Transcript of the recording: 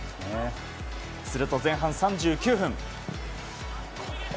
すると前半３９分。